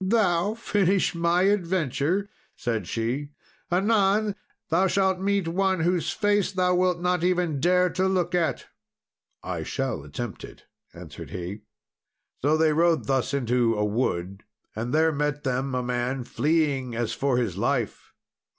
"Thou finish my adventure!" said she "anon, thou shalt meet one, whose face thou wilt not even dare to look at." "I shall attempt it," answered he. So, as they rode thus, into a wood, there met them a man, fleeing, as for his life.